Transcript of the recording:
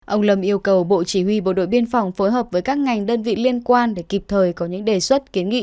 ông lâm yêu cầu bộ chỉ huy bộ đội biên phòng phối hợp với các ngành đơn vị liên quan để kịp thời có những đề xuất kiến nghị